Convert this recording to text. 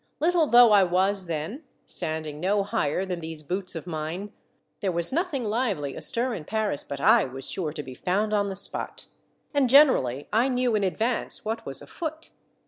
Little though I was then, standing no higher than these boots of mine, — there was nothing lively astir in Paris but I was sure to be found on the spot. And The Third Reading. 221 generally I knew in advance what was afoot.